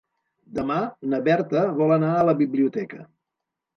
Demà na Berta vol anar a la biblioteca.